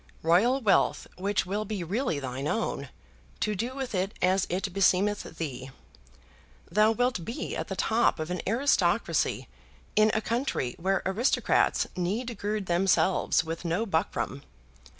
Royal wealth which will be really thine own, to do with it as it beseemeth thee. Thou wilt be at the top of an aristocracy in a country where aristocrats need gird themselves with no buckram.